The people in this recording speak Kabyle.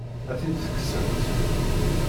Ad t-id-tekksemt?